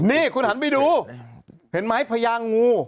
นี่คุณหันไปดูเห็นไหมพญางู